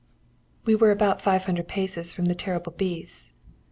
"We were about five hundred paces from the terrible beasts.